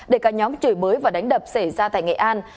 để các nhóm trời bới và đánh đập xảy ra tại nghệ an